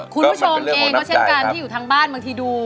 คุณผู้ชมเองก็เช่นกันที่อยู่ทางบ้านบางทีดู